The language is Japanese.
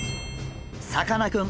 さかなクン